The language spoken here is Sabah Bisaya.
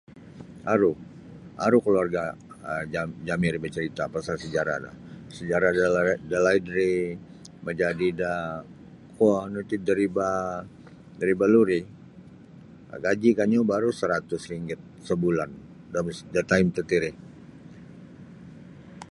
Aru aru kaluarga um ja- jami' ri bacarita' pasal sajarah do sajarah da-dalaid ri majadi da kuo nu iti dariba dariba lori gaji' kanyu baru' saratus ringgit sabulan da mus.. da taim tatiri.